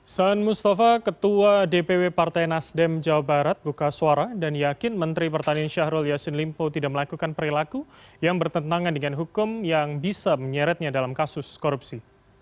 saan mustafa ketua dpw partai nasdem jawa barat buka suara dan yakin menteri pertanian syahrul yassin limpo tidak melakukan perilaku yang bertentangan dengan hukum yang bisa menyeretnya dalam kasus korupsi